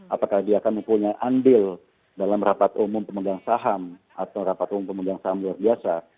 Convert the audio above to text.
apakah dia akan mempunyai andil dalam rapat umum pemegang saham atau rapat umum pemegang saham luar biasa